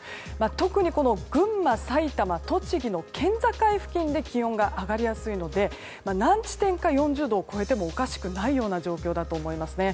特に群馬、埼玉、栃木の県境付近で気温が上がりやすいので何地点か４０度を超えてもおかしくないような状況だと思います。